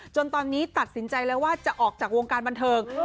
จนตอนนี้ตัดสินใจแล้วว่าจะออกจากวงการบันเทิง